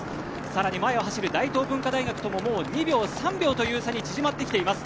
更に前を走る大東文化大学とももう２秒、３秒という差に縮まってきています。